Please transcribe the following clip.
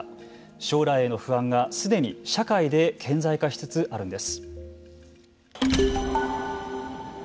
将来への不安がすでに社会で顕在化しつつあるんです。